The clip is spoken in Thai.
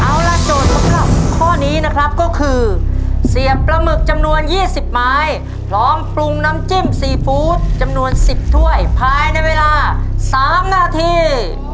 เอาล่ะโจทย์สำหรับข้อนี้นะครับก็คือเสียบปลาหมึกจำนวน๒๐ไม้พร้อมปรุงน้ำจิ้มซีฟู้ดจำนวน๑๐ถ้วยภายในเวลา๓นาที